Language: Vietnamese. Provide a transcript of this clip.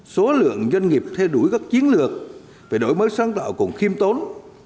số lượng doanh nghiệp theo đuổi các chiến lược về đổi mới sáng tạo còn khiêm tốn